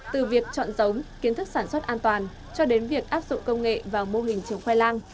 từ việc chọn giống kiến thức sản xuất an toàn cho đến việc áp dụng công nghệ vào mô hình trồng khoai lang